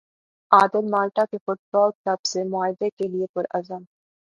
عادل Malta کے football club سے معاہدے کے لیے پرعزم